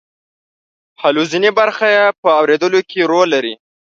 حلزوني برخه یې په اوریدلو کې رول لري.